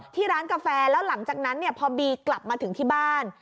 ร้านกาแฟแล้วหลังจากนั้นพอบีกลับมาถึงที่บ้าน